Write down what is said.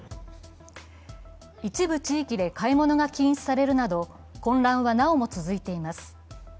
一部地域で買い物が禁止されるなど混乱はなおも続いています。